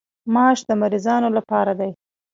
ماش د مریضانو لپاره دي.